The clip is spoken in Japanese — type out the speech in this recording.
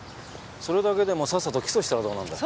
それだけでもさっさと起訴したらどうなんだ。